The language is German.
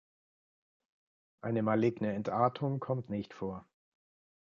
Eine maligne Entartung kommt nicht vor.